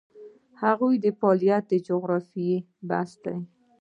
د هغوی د فعالیت د جغرافیې بحث دی.